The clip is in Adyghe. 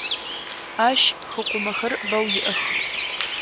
Ащ хыкъумэхэр бэу иӏэх.